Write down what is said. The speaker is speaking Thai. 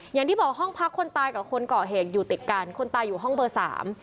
อย่างที่บอกห้องพักคนตายกับคนก่อเหตุอยู่ติดกันคนตายอยู่ห้องเบอร์สาม